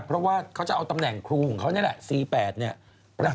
เพราะว่าเขาจะเอาตำแหน่งครูของเขานี่แหละ๔๘เนี่ย